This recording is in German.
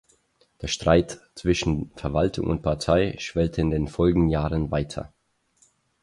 Der Streit zwischen Verwaltung und Partei schwelte in den folgenden Jahren weiter.